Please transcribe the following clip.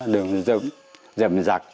đường dầm dạc